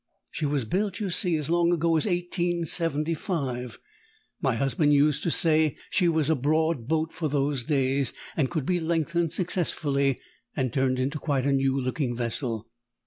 "She was built, you see, as long ago as 1875. My husband used to say she was a broad boat for those days, and could be lengthened successfully and turned into quite a new looking vessel.